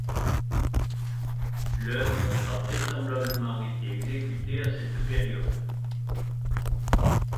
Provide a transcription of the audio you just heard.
L'œuvre a vraisemblablement été exécutée à cette période.